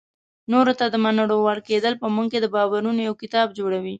نورو ته د منلو وړ کېدل په موږ کې د باورونو یو کتاب جوړوي.